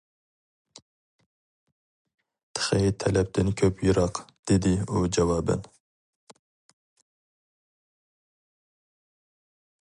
تېخى تەلەپتىن كۆپ يىراق-دېدى ئۇ جاۋابەن.